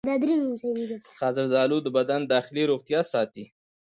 زردآلو د بدن داخلي روغتیا ساتي.